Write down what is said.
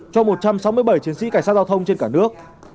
cho một trăm sáu mươi bảy chiến sĩ cảnh sát giao thông trên cả nước